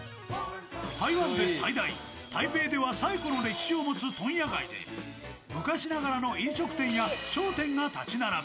台湾で最大、台北では最古の歴史を持つ問屋街で昔ながらの飲食店や商店が立ち並ぶ。